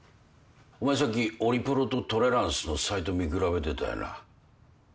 お前さっきオリプロとトレランスのサイト見比べてたよな。